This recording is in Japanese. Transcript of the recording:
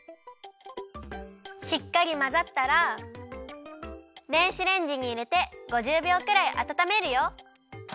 しっかりまざったら電子レンジにいれて５０びょうくらいあたためるよ。